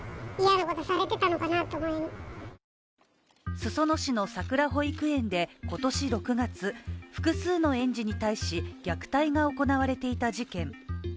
裾野市のさくら保育園で今年６月、複数の園児に対し、虐待が行われていた事件。